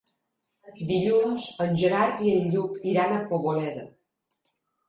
Dilluns en Gerard i en Lluc iran a Poboleda.